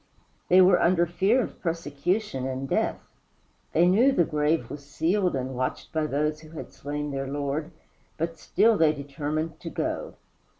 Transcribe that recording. They were under fear of persecution and death; they knew the grave was sealed and watched by those who had slain their Lord, but still they determined to go.